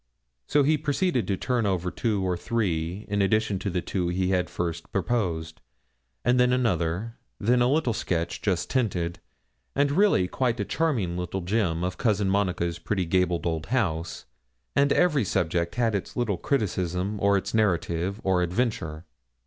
So he proceeded to turn over two or three, in addition to the two he had at first proposed, and then another; then a little sketch just tinted, and really quite a charming little gem, of Cousin Monica's pretty gabled old house; and every subject had its little criticism, or its narrative, or adventure.